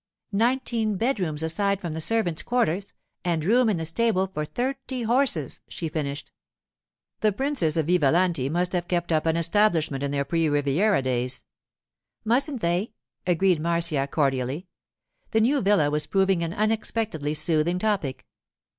'Nineteen bedrooms aside from the servants' quarters, and room in the stable for thirty horses!' she finished. 'The princes of Vivalanti must have kept up an establishment in their pre Riviera days.' 'Mustn't they?' agreed Marcia cordially. The new villa was proving an unexpectedly soothing topic.